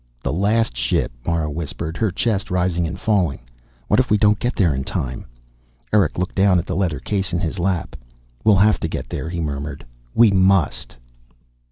"The last ship," Mara whispered, her chest rising and falling. "What if we don't get there in time?" Erick looked down at the leather case in his lap. "We'll have to get there," he murmured. "We must!"